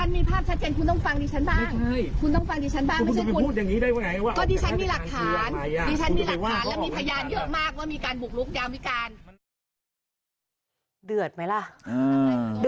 ไม่ได้เราต้องทำความผลหมาย